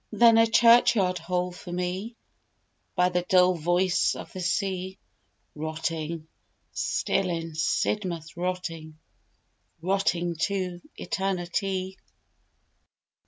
Then a churchyard hole for me, By the dull voice of the sea. Rotting, still in Sidmouth rotting, Rotting to eternity.